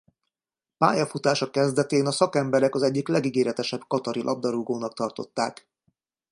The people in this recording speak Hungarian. Pályafutása kezdetén a szakemberek az egyik legígéretesebb katari labdarúgónak tartották.